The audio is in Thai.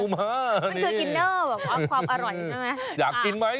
มันคือกินเนอร์